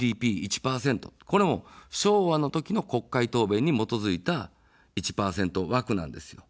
ＧＤＰ１％、これも昭和の時の国会答弁に基づいた１％枠なんですよ。